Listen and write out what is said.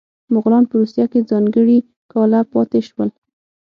مغولان په روسیه کې ځانګړي کاله پاتې شول.